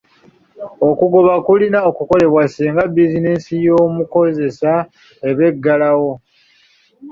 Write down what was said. Okugoba kulina kukolebwa singa bizinensi y'omukozesa eba eggalawo.